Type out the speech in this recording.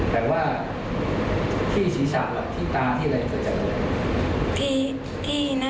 จะผ่าไป